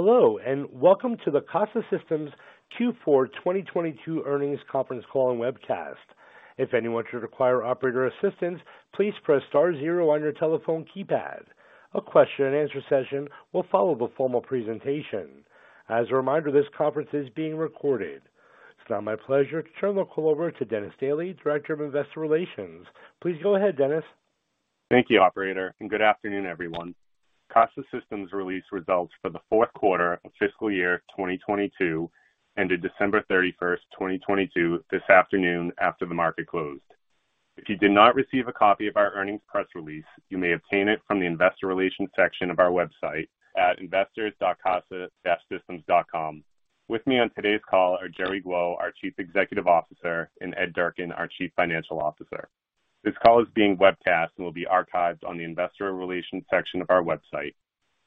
Hello, welcome to the Casa Systems Q4 2022 earnings conference call and webcast. If anyone should require operator assistance, please press star zero on your telephone keypad. A question-and-answer session will follow the formal presentation. As a reminder, this conference is being recorded. It's now my pleasure to turn the call over to Dennis Dailey, Director of Investor Relations. Please go ahead, Dennis. Thank you, operator. Good afternoon, everyone. Casa Systems release results for the fourth quarter of FY22 ended December 31st, 2022 this afternoon after the market closed. If you did not receive a copy of our earnings press release, you may obtain it from the investor relations section of our website at investors.casa-systems.com. With me on today's call are Jerry Guo, our Chief Executive Officer, and Ed Durkin, our Chief Financial Officer. This call is being webcast and will be archived on the investor relations section of our website.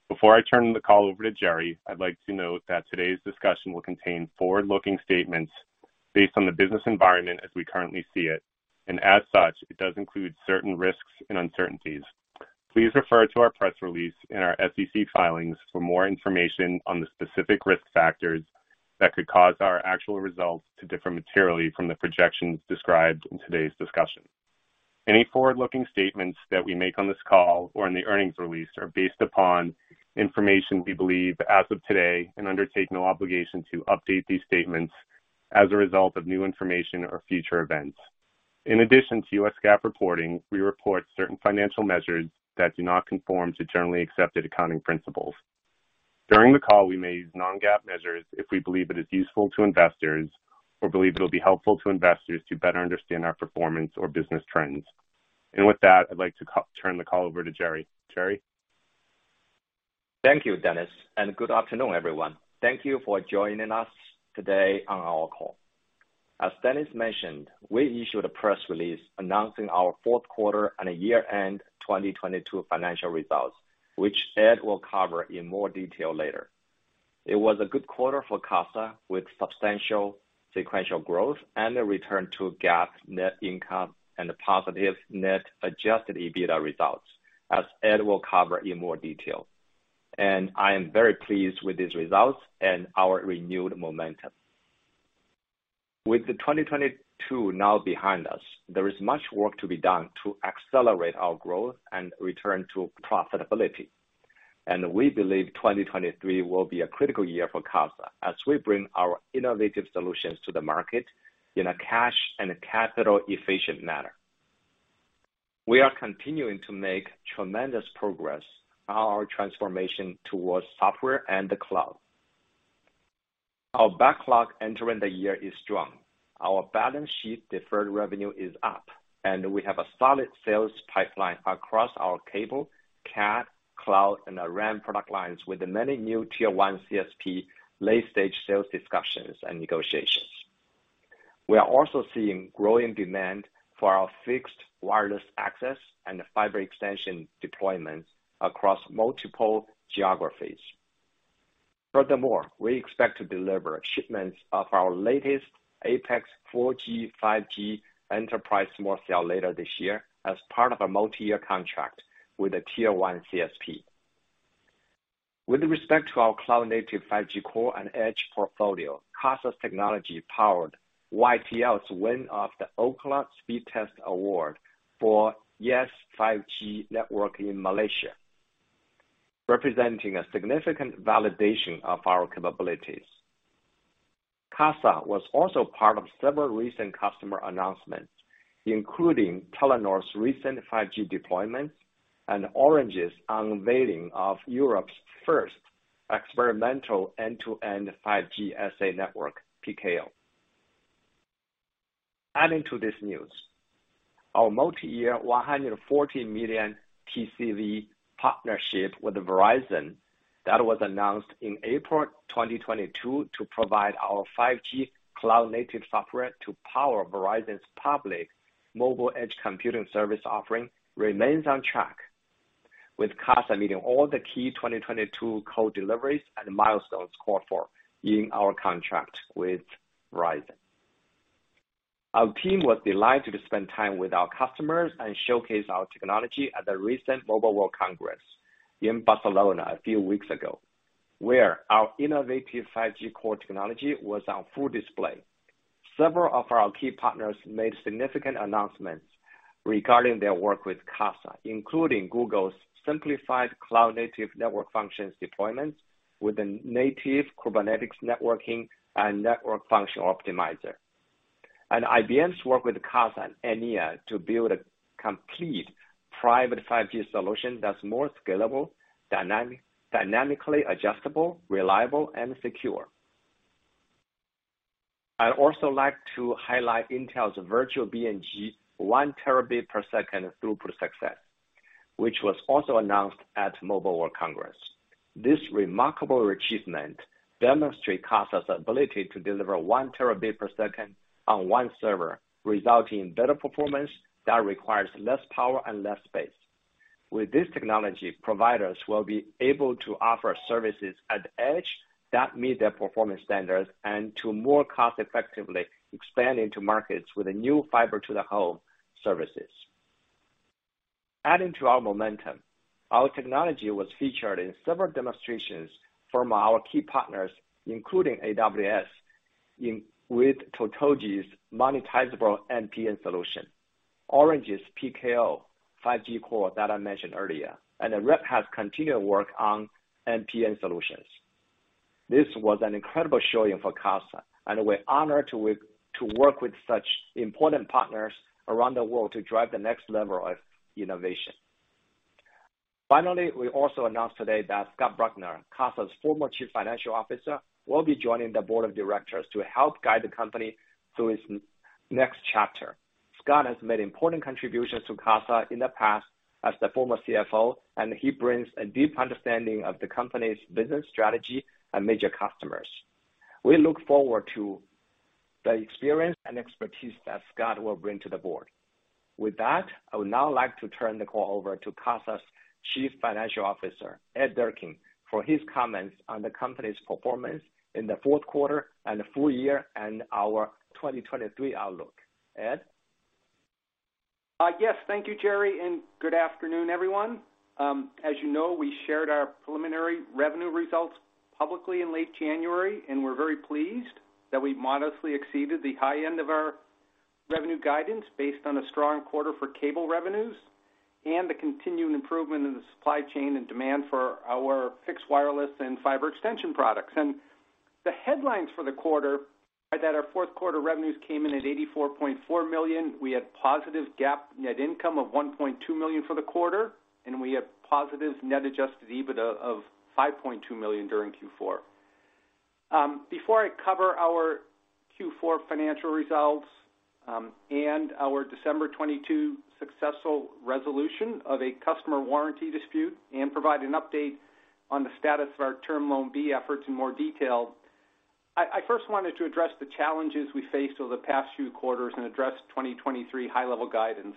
Before I turn the call over to Jerry, I'd like to note that today's discussion will contain forward-looking statements based on the business environment as we currently see it, and as such, it does include certain risks and uncertainties. Please refer to our press release and our SEC filings for more information on the specific risk factors that could cause our actual results to differ materially from the projections described in today's discussion. Any forward-looking statements that we make on this call or in the earnings release are based upon information we believe as of today and undertake no obligation to update these statements as a result of new information or future events. In addition to U.S. GAAP reporting, we report certain financial measures that do not conform to generally accepted accounting principles. During the call, we may use non-GAAP measures if we believe it is useful to investors or believe it will be helpful to investors to better understand our performance or business trends. With that, I'd like to turn the call over to Jerry. Jerry? Thank you, Dennis. Good afternoon, everyone. Thank you for joining us today on our call. As Dennis mentioned, we issued a press release announcing our fourth quarter and year-end 2022 financial results, which Ed will cover in more detail later. It was a good quarter for Casa, with substantial sequential growth and a return to GAAP net income and positive net Adjusted EBITDA results, as Ed will cover in more detail. I am very pleased with these results and our renewed momentum. With 2022 now behind us, there is much work to be done to accelerate our growth and return to profitability. We believe 2023 will be a critical year for Casa as we bring our innovative solutions to the market in a cash and capital efficient manner. We are continuing to make tremendous progress on our transformation towards software and the cloud. Our backlog entering the year is strong. Our balance sheet deferred revenue is up, and we have a solid sales pipeline across our cable, CAT, cloud, and RAN product lines with many new tier-one CSP late-stage sales discussions and negotiations. We are also seeing growing demand for our Fixed Wireless Access and Fiber Extension deployments across multiple geographies. Furthermore, we expect to deliver shipments of our latest Apex 4G 5G enterprise small cell later this year as part of a multi-year contract with a tier-one CSP. With respect to our cloud-native 5G core and edge portfolio, Casa's technology powered YTL win of the Ookla Speedtest award for Yes 5G network in Malaysia, representing a significant validation of our capabilities. Casa was also part of several recent customer announcements, including Telenor's recent 5G deployments and Orange's unveiling of Europe's first experimental end-to-end 5G SA network, Pikeo. Adding to this news, our multi-year $140 million TCV partnership with Verizon that was announced in April 2022 to provide our 5G cloud-native software to power Verizon's public Mobile Edge Computing service offering remains on track, with Casa meeting all the key 2022 code deliveries and milestones called for in our contract with Verizon. Our team was delighted to spend time with our customers and showcase our technology at the recent Mobile World Congress in Barcelona a few weeks ago, where our innovative 5G core technology was on full display. Several of our key partners made significant announcements regarding their work with Casa, including Google's simplified cloud-native network functions deployments with the native Kubernetes networking and Network Function Optimizer. IBM's work with Casa and Enea to build a complete private 5G solution that's more scalable, dynamically adjustable, reliable, and secure. I'd also like to highlight Intel's virtual BNG 1 terabit per second throughput success, which was also announced at Mobile World Congress. This remarkable achievement demonstrate Casa's ability to deliver 1 terabit per second on 1 server, resulting in better performance that requires less power and less space. With this technology, providers will be able to offer services at edge that meet their performance standards and to more cost effectively expand into markets with new Fiber to the Home services. Adding to our momentum, our technology was featured in several demonstrations from our key partners, including AWS, with Totogi's monetizable MPN solution, Orange's Pikeo 5G core that I mentioned earlier. Red Hat's continued work on MPN solutions. This was an incredible showing for Casa. We're honored to work with such important partners around the world to drive the next level of innovation. Finally, we also announced today that Scott Bruckner, Casa's former Chief Financial Officer, will be joining the board of directors to help guide the company through its next chapter. Scott has made important contributions to Casa in the past as the former CFO, and he brings a deep understanding of the company's business strategy and major customers. We look forward to the experience and expertise that Scott will bring to the board. With that, I would now like to turn the call over to Casa's Chief Financial Officer, Ed Durkin, for his comments on the company's performance in the fourth quarter and the full-year and our 2023 outlook. Ed? Yes, thank you, Jerry, and good afternoon, everyone. As you know, we shared our preliminary revenue results publicly in late January, and we're very pleased that we modestly exceeded the high end of our revenue guidance based on a strong quarter for cable revenues and the continuing improvement in the supply chain and demand for our fixed wireless and fiber extension products. The headlines for the quarter are that our fourth quarter revenues came in at $84.4 million. We had positive GAAP net income of $1.2 million for the quarter, and we have positive net Adjusted EBITDA of $5.2 million during Q4. Before I cover our Q4 financial results, and our December 22 successful resolution of a customer warranty dispute and provide an update on the status of our Term Loan B efforts in more detail, I first wanted to address the challenges we faced over the past few quarters and address 2023 high-level guidance.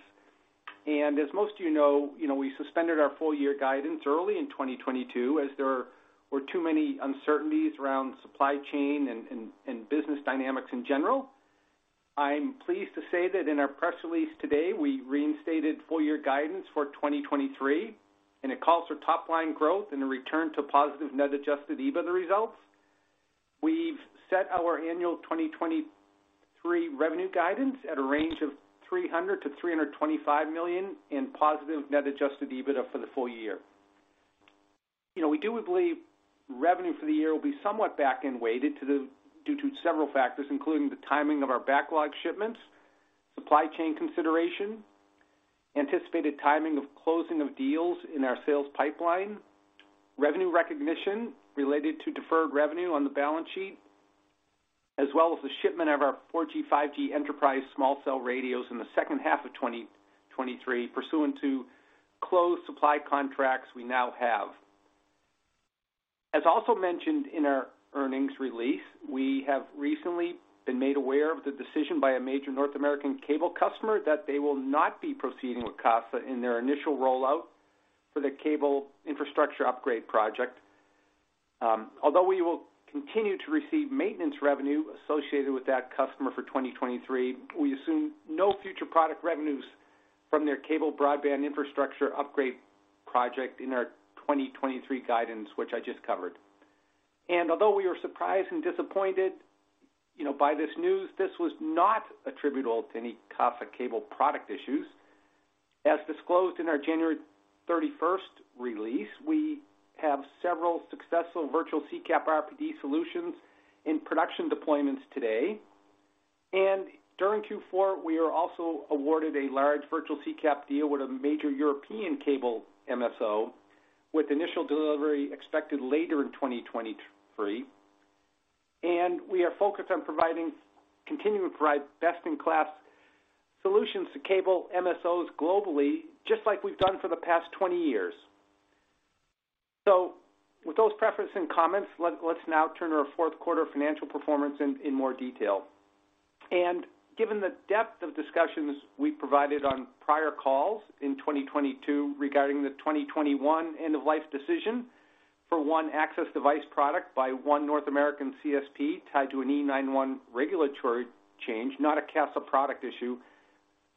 As most of you know, you know, we suspended our full-year guidance early in 2022 as there were too many uncertainties around supply chain and business dynamics in general. I'm pleased to say that in our press release today, we reinstated full-year guidance for 2023, and it calls for top line growth and a return to positive net Adjusted EBITDA results. We've set our annual 2023 revenue guidance at a range of $300 million-$325 million in positive net Adjusted EBITDA for the full-year. You know, we do believe revenue for the year will be somewhat back-ended due to several factors, including the timing of our backlog shipments, supply chain consideration, anticipated timing of closing of deals in our sales pipeline, revenue recognition related to deferred revenue on the balance sheet, as well as the shipment of our 4G/5G enterprise small cell radios in the second half of 2023 pursuant to closed supply contracts we now have. Also mentioned in our earnings release, we have recently been made aware of the decision by a major North American cable customer that they will not be proceeding with Casa in their initial rollout for their cable infrastructure upgrade project. Although we will continue to receive maintenance revenue associated with that customer for 2023, we assume no future product revenues from their cable broadband infrastructure upgrade project in our 2023 guidance, which I just covered. Although we were surprised and disappointed, you know, by this news, this was not attributable to any Casa cable product issues. As disclosed in our January 31st release, we have several successful virtual CCAP RPD solutions in production deployments today. During Q4, we are also awarded a large virtual CCAP deal with a major European cable MSO, with initial delivery expected later in 2023. We are focused on continuing to provide best-in-class solutions to cable MSOs globally, just like we've done for the past 20 years. With those prefacing comments, let's now turn to our fourth quarter financial performance in more detail. Given the depth of discussions we provided on prior calls in 2022 regarding the 2021 end-of-life decision for one access device product by one North American CSP tied to an E911 regulatory change, not a Casa product issue,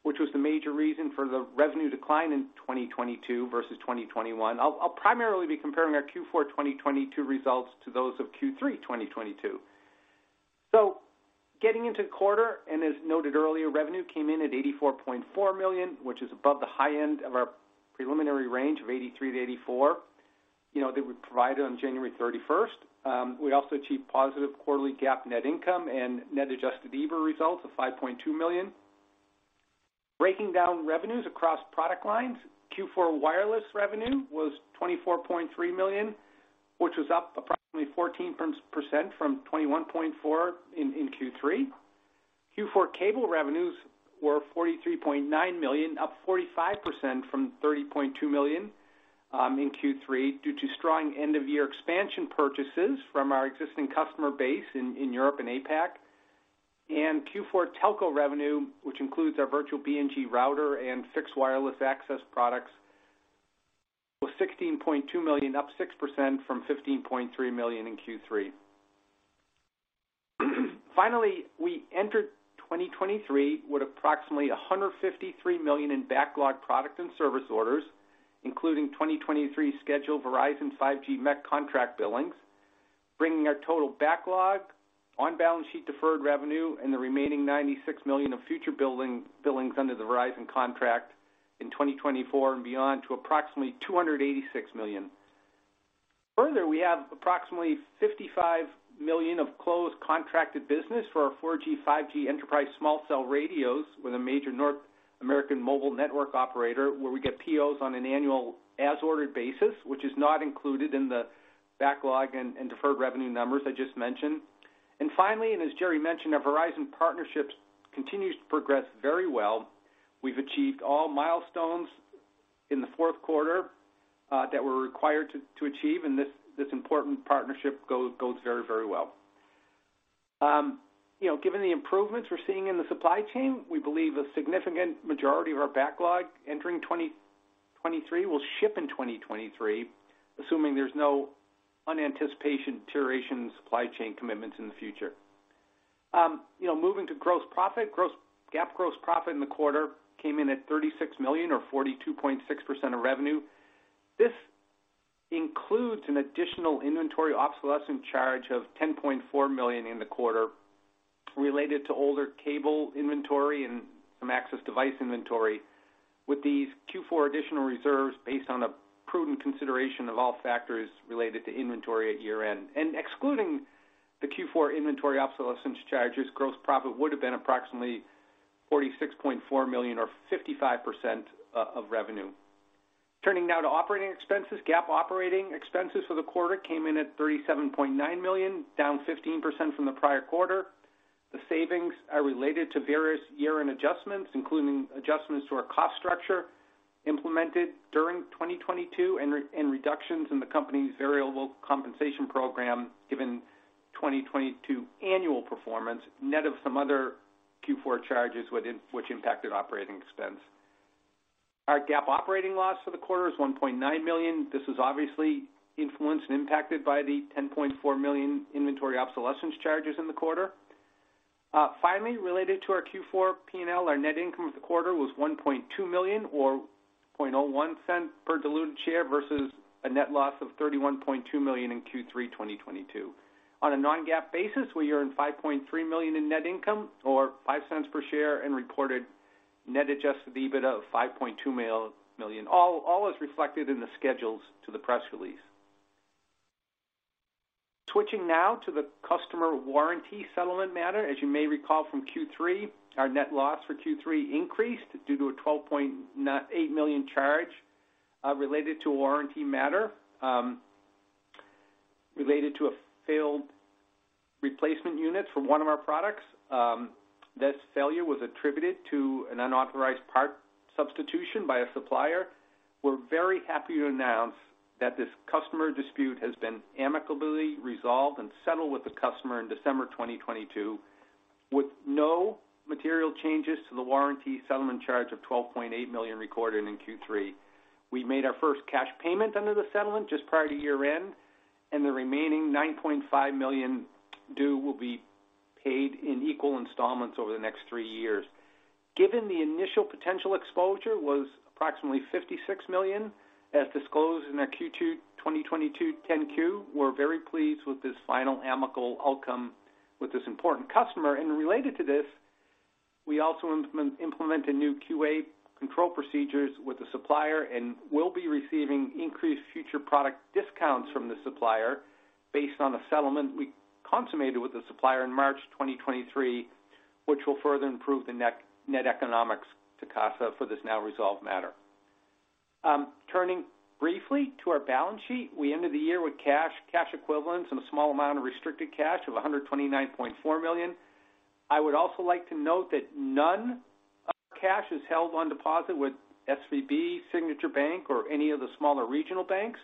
which was the major reason for the revenue decline in 2022 versus 2021. I'll primarily be comparing our Q4 2022 results to those of Q3 2022. Getting into the quarter, and as noted earlier, revenue came in at $84.4 million, which is above the high end of our preliminary range of $83 million-$84 million, you know, that we provided on January 31st. We also achieved positive quarterly GAAP net income and net Adjusted EBITDA results of $5.2 million. Breaking down revenues across product lines, Q4 wireless revenue was $24.3 million, which was up approximately 14% from $21.4 million in Q3. Q4 cable revenues were $43.9 million, up 45% from $30.2 million in Q3, due to strong end-of-year expansion purchases from our existing customer base in Europe and APAC. Q4 Telco revenue, which includes our virtual BNG router and Fixed Wireless Access products, was $16.2 million, up 6% from $15.3 million in Q3. Finally, we entered 2023 with approximately $153 million in backlog product and service orders, including 2023 scheduled Verizon 5G MEC contract billings, bringing our total backlog on balance sheet deferred revenue and the remaining $96 million of future billings under the Verizon contract in 2024 and beyond to approximately $286 million. We have approximately $55 million of closed contracted business for our 4G, 5G enterprise small cell radios with a major North American mobile network operator where we get POs on an annual as ordered basis, which is not included in the backlog and deferred revenue numbers I just mentioned. As Jerry mentioned, our Verizon partnerships continues to progress very well. We've achieved all milestones in the fourth quarter that we're required to achieve, and this important partnership goes very, very well. You know, given the improvements we're seeing in the supply chain, we believe a significant majority of our backlog entering 2023 will ship in 2023, assuming there's no unanticipated deterioration in supply chain commitments in the future. You know, moving to gross profit. GAAP gross profit in the quarter came in at $36 million or 42.6% of revenue. This includes an additional inventory obsolescence charge of $10.4 million in the quarter related to older cable inventory and some access device inventory with these Q4 additional reserves based on a prudent consideration of all factors related to inventory at year-end. Excluding the Q4 inventory obsolescence charges, gross profit would have been approximately $46.4 million or 55% of revenue. Turning now to operating expenses. GAAP operating expenses for the quarter came in at $37.9 million, down 15% from the prior quarter. The savings are related to various year-end adjustments, including adjustments to our cost structure implemented during 2022 and reductions in the company's variable compensation program given 2022 annual performance net of some other Q4 charges which impacted operating expense. Our GAAP operating loss for the quarter is $1.9 million. This is obviously influenced and impacted by the $10.4 million inventory obsolescence charges in the quarter. Finally, related to our Q4 P&L, our net income for the quarter was $1.2 million or $0.01 per diluted share versus a net loss of $31.2 million in Q3 2022. On a non-GAAP basis, we earned $5.3 million in net income or $0.05 per share and reported net Adjusted EBITDA of $5.2 million, all as reflected in the schedules to the press release. Switching now to the customer warranty settlement matter. As you may recall from Q3, our net loss for Q3 increased due to a $12.8 million charge related to a warranty matter related to a failed replacement unit for one of our products. This failure was attributed to an unauthorized part substitution by a supplier. We're very happy to announce that this customer dispute has been amicably resolved and settled with the customer in December 2022 with no material changes to the warranty settlement charge of $12.8 million recorded in Q3. We made our first cash payment under the settlement just prior to year-end. The remaining $9.5 million due will be paid in equal installments over the next three years. Given the initial potential exposure was approximately $56 million, as disclosed in our Q2 2022 10-Q, we're very pleased with this final amicable outcome with this important customer. Related to this, we also implemented new QA control procedures with the supplier and will be receiving increased future product discounts from the supplier based on the settlement we consummated with the supplier in March 2023, which will further improve the net economics to Casa for this now resolved matter. Turning briefly to our balance sheet. We ended the year with cash equivalents, and a small amount of restricted cash of $129.4 million. I would also like to note that none of our cash is held on deposit with SVB, Signature Bank, or any of the smaller regional banks,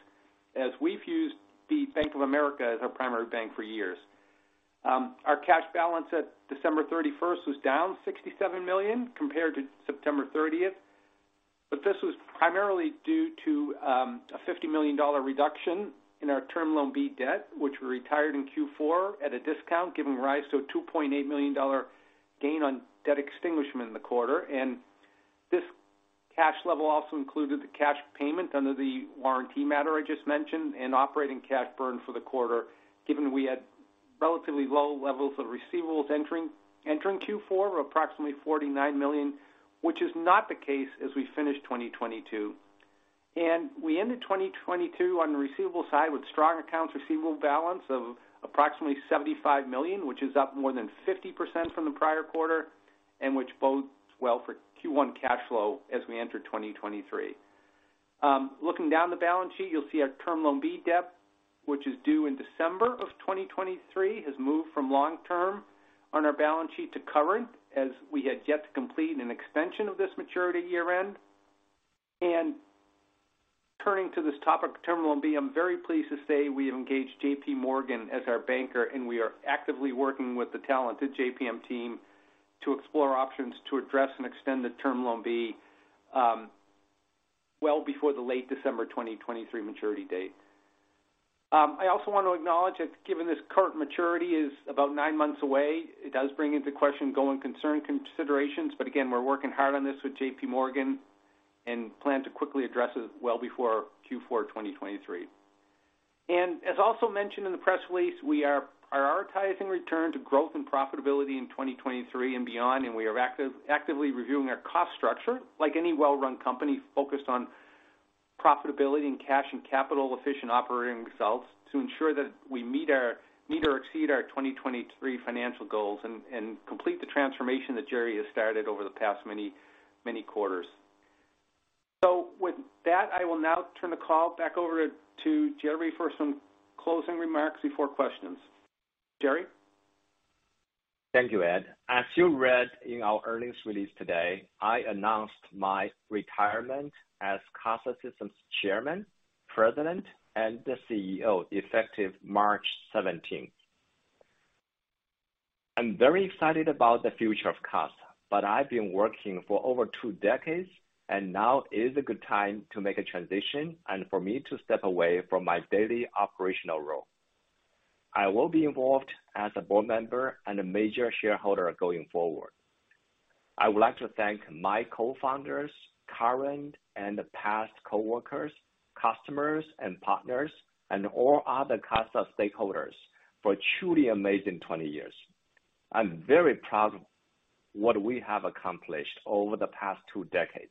as we've used the Bank of America as our primary bank for years. Our cash balance at December 31st was down $67 million compared to September 30th. This was primarily due to a $50 million reduction in our Term Loan B debt, which we retired in Q4 at a discount, giving rise to a $2.8 million gain on debt extinguishment in the quarter. This cash level also included the cash payment under the warranty matter I just mentioned and operating cash burn for the quarter, given we had relatively low levels of receivables entering Q4 of approximately $49 million, which is not the case as we finish 2022. We ended 2022 on the receivable side with strong accounts receivable balance of approximately $75 million, which is up more than 50% from the prior quarter and which bodes well for Q1 cash flow as we enter 2023. Looking down the balance sheet, you'll see our Term Loan B debt, which is due in December of 2023, has moved from long term on our balance sheet to current as we had yet to complete an extension of this maturity at year-end. Turning to this topic of Term Loan B, I'm very pleased to say we have engaged JPMorgan as our banker, and we are actively working with the talented JPM team to explore options to address and extend the Term Loan B well before the late December 2023 maturity date. I also want to acknowledge that given this current maturity is about nine months away, it does bring into question going concern considerations. Again, we're working hard on this with JPMorgan and plan to quickly address it well before Q4 2023. As also mentioned in the press release, we are prioritizing return to growth and profitability in 2023 and beyond. We are actively reviewing our cost structure like any well-run company focused on profitability and cash and capital efficient operating results to ensure that we meet or exceed our 2023 financial goals and complete the transformation that Jerry has started over the past many quarters. With that, I will now turn the call back over to Jerry for some closing remarks before questions. Jerry? Thank you, Ed. As you read in our earnings release today, I announced my retirement as Casa Systems Chairman, President, and CEO effective March 17th. I'm very excited about the future of Casa, I've been working for over two decades, and now is a good time to make a transition and for me to step away from my daily operational role. I will be involved as a board member and a major shareholder going forward. I would like to thank my co-founders, current and past coworkers, customers and partners, and all other Casa stakeholders for a truly amazing 20 years. I'm very proud of what we have accomplished over the past two decades.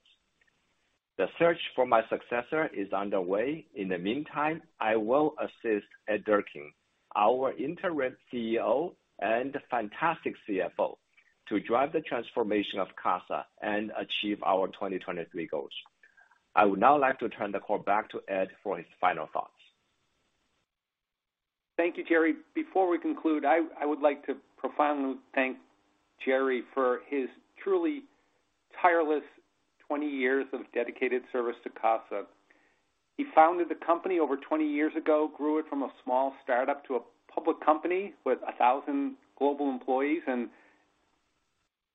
The search for my successor is underway. In the meantime, I will assist Ed Durkin, our Interim CEO and fantastic CFO, to drive the transformation of Casa and achieve our 2023 goals. I would now like to turn the call back to Ed for his final thoughts. Thank you, Jerry. Before we conclude, I would like to profoundly thank Jerry for his truly tireless 20 years of dedicated service to Casa. He founded the company over 20 years ago, grew it from a small startup to a public company with 1,000 global employees and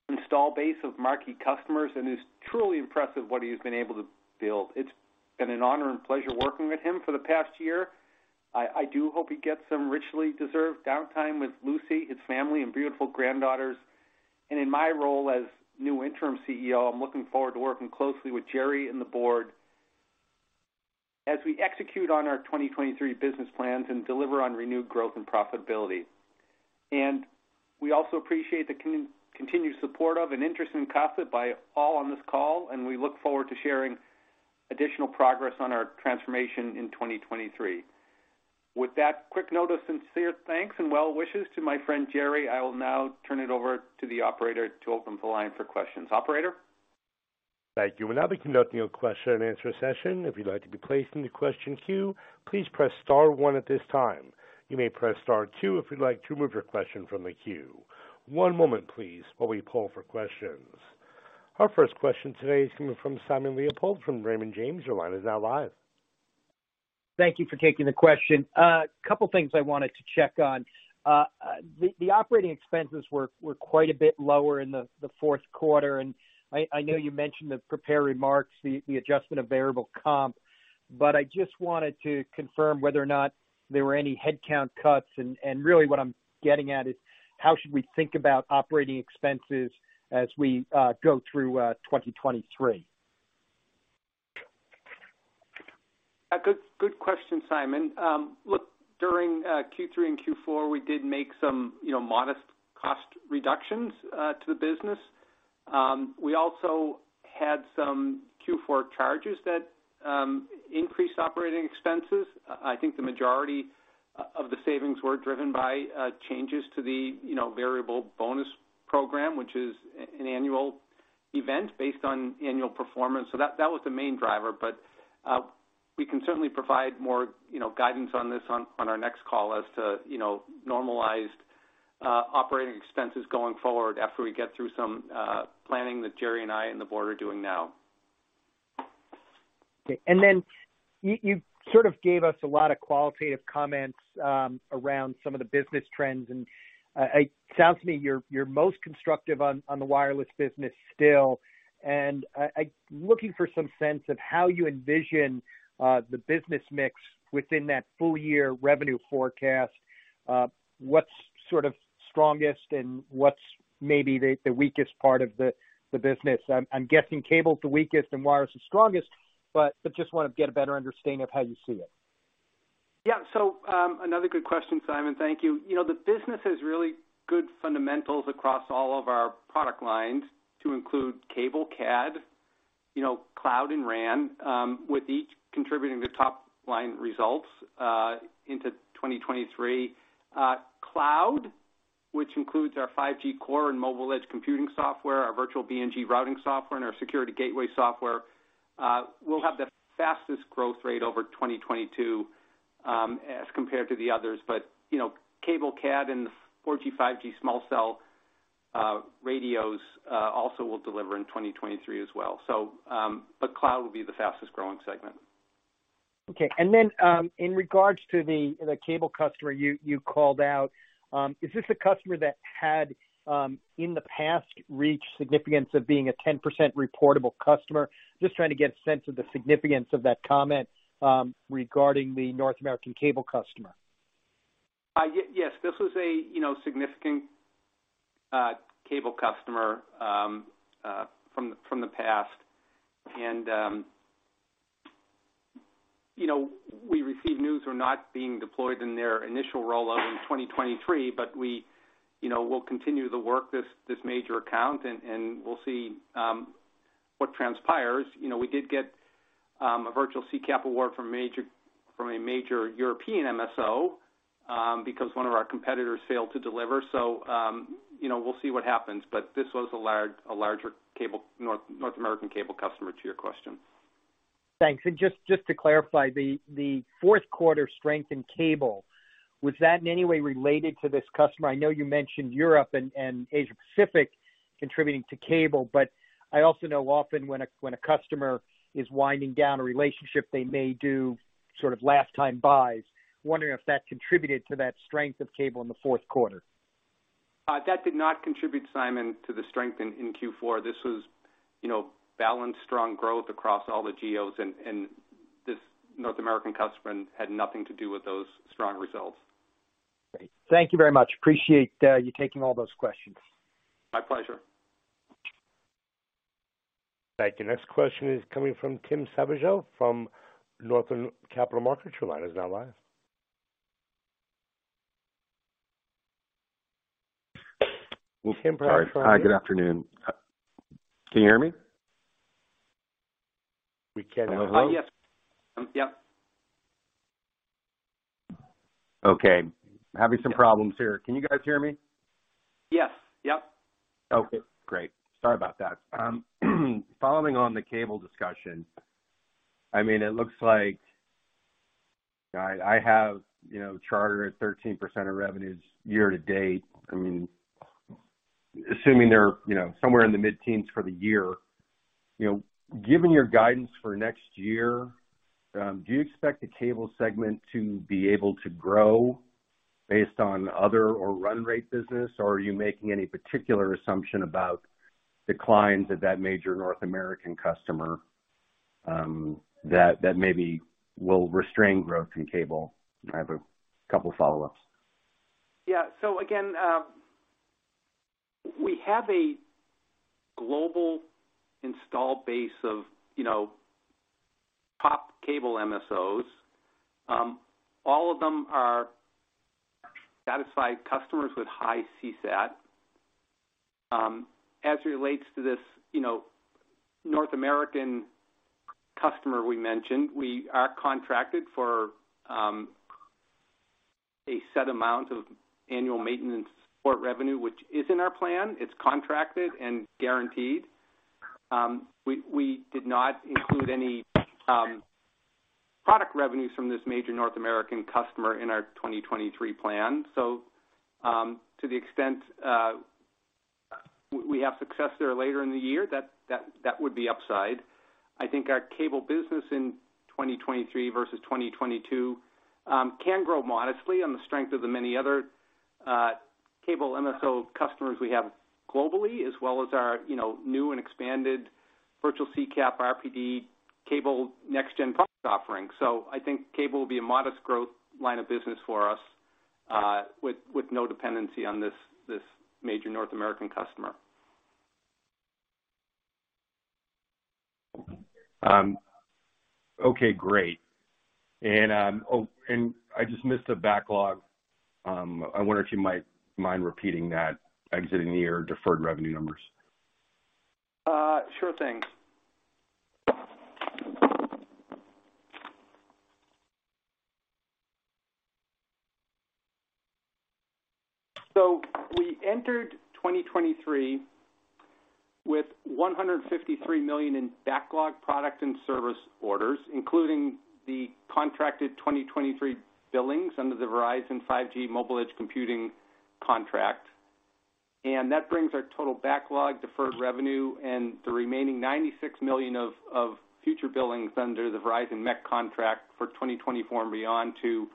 install base of marquee customers. It's truly impressive what he's been able to build. It's been an honor and pleasure working with him for the past year. I do hope he gets some richly deserved downtime with Lucy, his family, and beautiful granddaughters. In my role as new interim CEO, I'm looking forward to working closely with Jerry and the board as we execute on our 2023 business plans and deliver on renewed growth and profitability. We also appreciate the continued support of an interest in Casa by all on this call, and we look forward to sharing additional progress on our transformation in 2023. With that quick note of sincere thanks and well wishes to my friend Jerry, I will now turn it over to the operator to open the line for questions. Operator? Thank you. We'll now be conducting a question and answer session. If you'd like to be placed in the question queue, please press star one at this time. You may press star two if you'd like to remove your question from the queue. One moment please, while we pull for questions. Our first question today is coming from Simon Leopold from Raymond James. Your line is now live. Thank you for taking the question. A couple things I wanted to check on. The operating expenses were quite a bit lower in the fourth quarter, and I know you mentioned the prepared remarks, the adjustment of variable comp, but I just wanted to confirm whether or not there were any headcount cuts. Really what I'm getting at is how should we think about operating expenses as we go through 2023? A good question, Simon. Look, during Q3 and Q4, we did make some, you know, modest cost reductions to the business. We also had some Q4 charges that increased operating expenses. I think the majority of the savings were driven by changes to the, you know, variable bonus program, which is an annual event based on annual performance. That was the main driver. We can certainly provide more, you know, guidance on this on our next call as to, you know, normalized operating expenses going forward after we get through some planning that Jerry and I and the board are doing now. Okay. You sort of gave us a lot of qualitative comments around some of the business trends, it sounds to me you're most constructive on the wireless business still. I looking for some sense of how you envision the business mix within that full-year revenue forecast. What's sort of strongest and what's maybe the weakest part of the business? I'm guessing cable is the weakest and wireless the strongest, but just want to get a better understanding of how you see it. Another good question, Simon. Thank you. You know, the business has really good fundamentals across all of our product lines to include Cable CAD, you know, Cloud and RAN, with each contributing to top line results into 2023. Cloud, which includes our 5G core and mobile edge computing software, our virtual BNG routing software, and our Security Gateway software, will have the fastest growth rate over 2022 as compared to the others. You know, Cable CAD and the 4G, 5G small cell radios, also will deliver in 2023 as well, so, Cloud will be the fastest growing segment. Okay. In regards to the cable customer you called out, is this a customer that had, in the past reached significance of being a 10% reportable customer? Just trying to get a sense of the significance of that comment, regarding the North American cable customer. Yes. This was a, you know, significant cable customer from the past. you know, we received news we're not being deployed in their initial rollout in 2023, but we, you know, we'll continue to work this major account and we'll see what transpires. You know, we did get a virtual CCAP award from a major European MSO because one of our competitors failed to deliver. you know, we'll see what happens. This was a larger cable North American cable customer to your question. Thanks. Just to clarify, the fourth quarter strength in cable, was that in any way related to this customer? I know you mentioned Europe and Asia Pacific contributing to cable, but I also know often when a customer is winding down a relationship, they may do sort of last time buys. Wondering if that contributed to that strength of cable in the fourth quarter. That did not contribute, Simon, to the strength in Q4. This was, you know, balanced strong growth across all the geos, and this North American customer had nothing to do with those strong results. Great. Thank you very much. Appreciate you taking all those questions. My pleasure. Thank you. Next question is coming from Tim Savageaux from Northland Capital Markets. Your line is now live. Tim, go ahead. Sorry. Hi, good afternoon. Can you hear me? We can. Oh, yes. Yep. Okay. Having some problems here. Can you guys hear me? Yes. Yep. Okay, great. Sorry about that. Following on the cable discussion, I mean, it looks like I have, you know, Charter at 13% of revenues year to date. I mean, assuming they're, you know, somewhere in the mid-teens for the year. You know, given your guidance for next year, do you expect the cable segment to be able to grow based on other or run rate business? Or are you making any particular assumption about declines at that major North American customer, that maybe will restrain growth in cable? I have a couple follow-ups. Again, we have a global install base of, you know, top cable MSO. All of them are satisfied customers with high CSAT. As relates to this, you know, North American customer we mentioned, we are contracted for a set amount of annual maintenance support revenue, which is in our plan. It's contracted and guaranteed. We did not include any product revenues from this major North American customer in our 2023 plan. To the extent we have success there later in the year, that would be upside. I think our cable business in 2023 versus 2022 can grow modestly on the strength of the many other cable MSO customers we have globally, as well as our, you know, new and expanded virtual CCAP RPD cable nextGen product offering. I think cable will be a modest growth line of business for us, with no dependency on this major North American customer. okay, great. Oh, and I just missed the backlog. I wonder if you might mind repeating that exiting the year deferred revenue numbers? Sure thing. We entered 2023 with $153 million in backlog product and service orders, including the contracted 2023 billings under the Verizon 5G mobile edge computing contract. That brings our total backlog, deferred revenue and the remaining $96 million of future billings under the Verizon MEC contract for 2024 and beyond to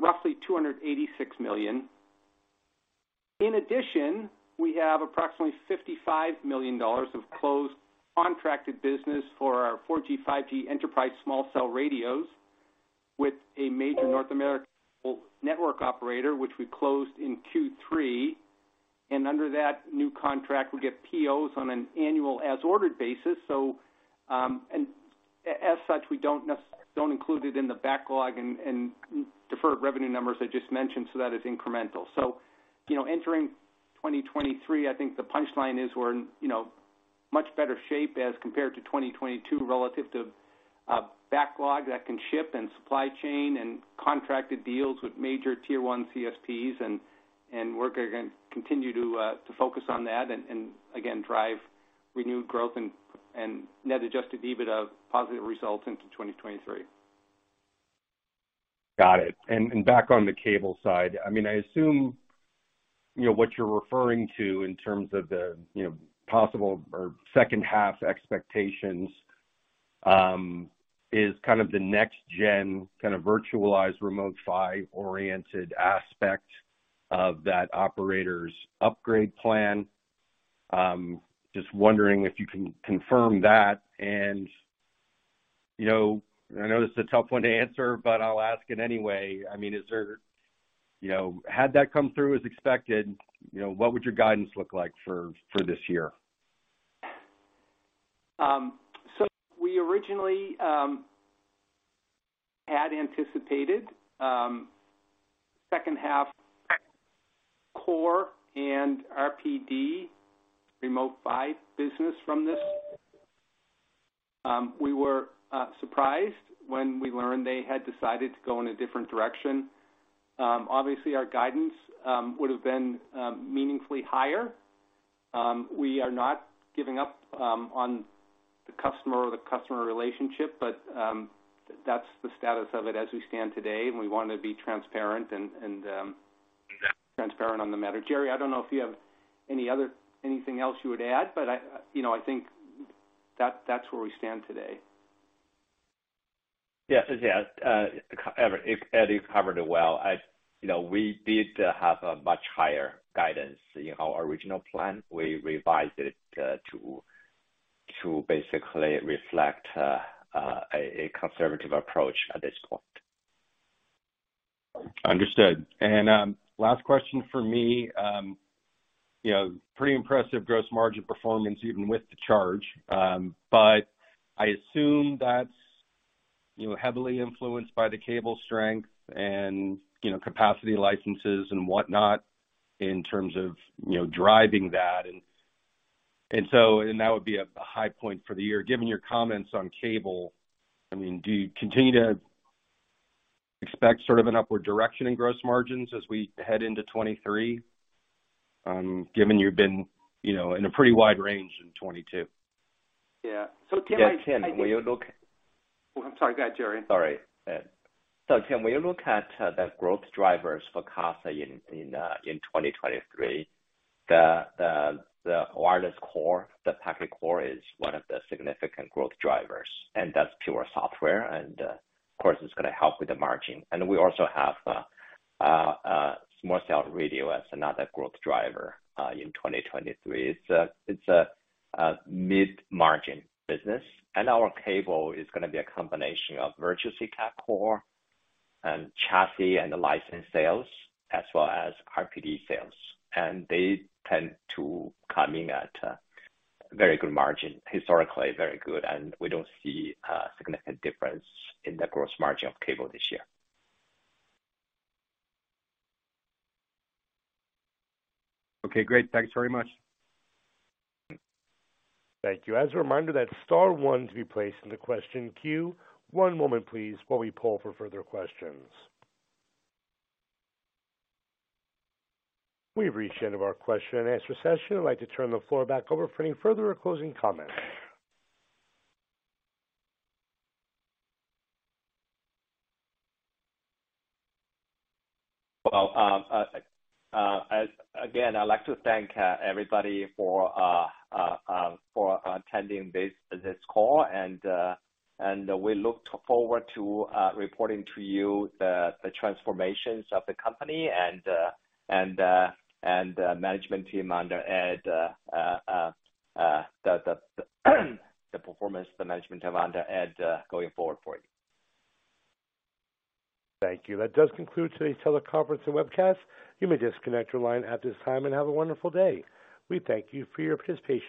roughly $286 million. In addition, we have approximately $55 million of closed contracted business for our 4G, 5G enterprise small cell radios with a major North American network operator, which we closed in Q3. Under that new contract, we get POs on an annual as ordered basis. As such, we don't necessarily include it in the backlog and deferred revenue numbers I just mentioned. That is incremental. You know, entering 2023, I think the punchline is we're in, you know, much better shape as compared to 2022 relative to backlog that can ship in supply chain and contracted deals with major tier one CSPs. And we're gonna continue to focus on that and again, drive renewed growth and net Adjusted EBITDA of positive results into 2023. Got it. Back on the cable side, I mean, I assume, you know, what you're referring to in terms of the, you know, possible or second half expectations, is kind of the next gen kind of virtualized Remote PHY-oriented aspect of that operator's upgrade plan. Just wondering if you can confirm that? You know, I know this is a tough one to answer, but I'll ask it anyway. I mean, is there, you know, had that come through as expected, you know, what would your guidance look like for this year? We originally had anticipated second half core and RPD Remote PHY business from this. We were surprised when we learned they had decided to go in a different direction. Obviously, our guidance would have been meaningfully higher. We are not giving up on the customer or the customer relationship, but that's the status of it as we stand today, and we wanna be transparent and transparent on the matter. Jerry, I don't know if you have anything else you would add, but I, you know, I think that's where we stand today. Yes. Yes. Ed, you covered it well. You know, we did have a much higher guidance in our original plan. We revised it to basically reflect a conservative approach at this point. Understood. Last question for me. You know, pretty impressive gross margin performance even with the charge. I assume that's, you know, heavily influenced by the cable strength and, you know, capacity licenses and whatnot in terms of, you know, driving that. That would be a high point for the year. Given your comments on cable, I mean, do you continue to expect sort of an upward direction in gross margins as we head into 2023, given you've been, you know, in a pretty wide range in 2022? Yeah. Yeah, Tim, when you. Oh, I'm sorry. Go ahead, Jerry. Sorry, Ed. Tim, when you look at the growth drivers for Casa in 2023, the wireless core, the packet core is one of the significant growth drivers, and that's pure software. Of course, it's going to help with the margin. We also have a small cell radio as another growth driver in 2023. It's a mid-margin business. Our cable is gonna be a combination of virtual CCAP core and chassis and the license sales as well as RPD sales. They tend to come in at a very good margin, historically very good, and we don't see a significant difference in the gross margin of cable this year. Okay, great. Thanks very much. Thank you. As a reminder, that's star one to be placed in the question queue. One moment, please, while we poll for further questions. We've reached the end of our question and answer session. I'd like to turn the floor back over for any further or closing comments. Well, Again, I'd like to thank everybody for attending this call, and we look forward to reporting to you the transformations of the company and the performance, the management team under Ed, going forward for you. Thank you. That does conclude today's teleconference and webcast. You may disconnect your line at this time and have a wonderful day. We thank you for your participation.